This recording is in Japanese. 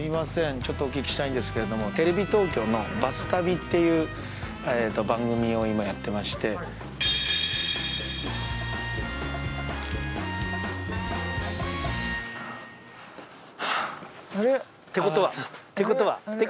ちょっとお聞きしたいんですけれどもテレビ東京のバス旅っていう番組を今やってまして。ってことは？ってことは？